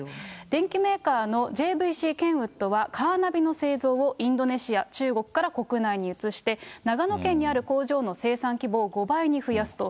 電機メーカーのＪＶＣケンウッドはカーナビの製造をインドネシア、中国から国内に移して、長野県にある工場の生産規模を５倍に増やすと。